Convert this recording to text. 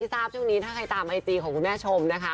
ทราบช่วงนี้ถ้าใครตามไอจีของคุณแม่ชมนะคะ